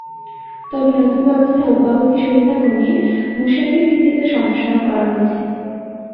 তবে নতুন ব্যবস্থায় অব্যাহতি সুবিধা কমিয়ে মূসকের ভিত্তি সম্প্রসারণ করা হয়েছে।